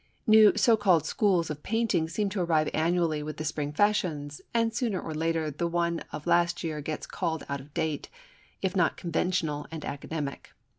New so called schools of painting seem to arrive annually with the spring fashions, and sooner or later the one of last year gets called out of date, if not conventional and academic.